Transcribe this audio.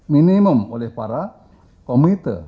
minimum oleh para komite